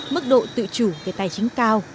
mức độ tự chủ về tài chính cao